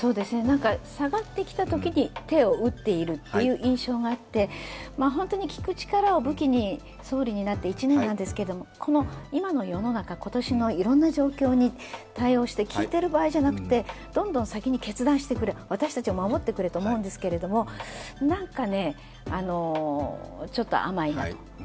下がってきたときに手を打っているという印象があって本当に聞く力を武器に総理になって１年なんですけど今の世の中、今年のいろいろな状況に対応して、聞いている場合じゃなくて、どんどん先に決断してくれ、私たちを守ってくれと思うんですけどなんかね、ちょっと甘いなと。